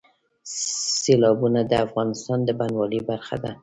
سیلابونه د افغانستان د بڼوالۍ برخه ده.